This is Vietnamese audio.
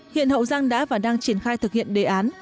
hiện hậu giang đã và đang triển khai thực hiện đề án